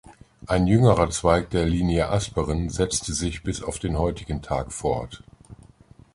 Ein jüngerer Zweig der Linie Asperen setzte sich bis auf den heutigen Tag fort.